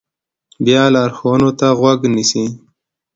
بیا لارښوونو ته غوږ نیسي.